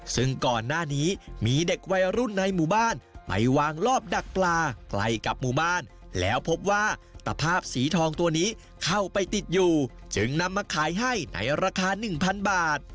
ซึ่งก่อนหน้านี้มีเด็กวัยรุ่นในหมู่บ้านไปวางรอบดักปลาใกล้กับหมู่บ้านแล้วพบว่าตะภาพสีทองตัวนี้เข้าไปติดอยู่จึงนำมาขายให้ในราคา๑๐๐บาท